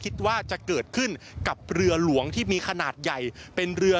คิดว่าจะเกิดขึ้นกับเรือหลวงที่มีขนาดใหญ่เป็นเรือ